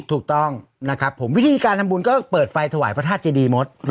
ถูกต้องนะครับผมวิธีการทำบุญก็เปิดไฟถวายพระธาตุเจดีมด